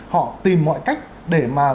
họ tìm mọi cách để mà